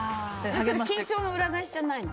緊張の裏返しじゃないの？